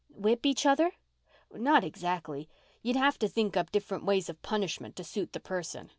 "Whip each other?" "Not exactly. You'd have to think up different ways of punishment to suit the person.